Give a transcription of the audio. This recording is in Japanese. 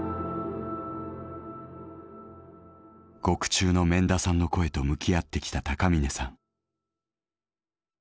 獄中の免田さんの声と向き合ってきた高峰さん。